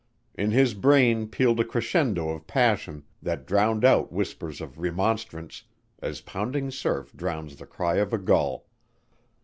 In his brain pealed a crescendo of passion that drowned out whispers of remonstrance as pounding surf drowns the cry of a gull.